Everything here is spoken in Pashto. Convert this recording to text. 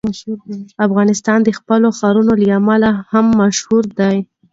افغانستان د خپلو ښارونو له امله هم مشهور دی.